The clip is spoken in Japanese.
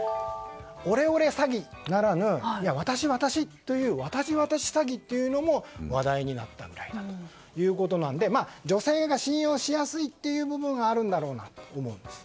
オレオレ詐欺ならぬワタシワタシというワタシワタシ詐欺というのも話題になったぐらいということで女性が信用しやすいという部分があるんだろうなと思うんです。